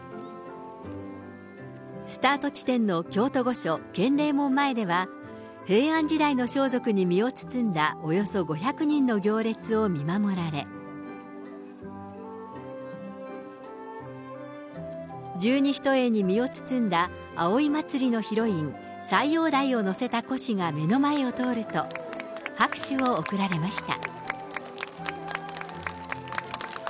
スタート地点の京都御所建礼門前では、平安時代の装束に身を包んだおよそ５００人の行列を見守られ、十二ひとえに身を包んだ葵祭のヒロイン、斎王代を乗せたこしが目の前を通ると、拍手を送られました。